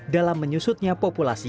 dalam menyusutnya populasi